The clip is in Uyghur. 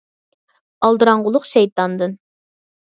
ئالدىراڭغۇلۇق شەيتاندىن.